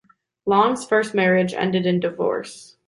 Long's first marriage ended in divorce.